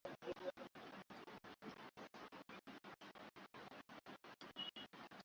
hali ya usalama imekuwa mbaya jiji libya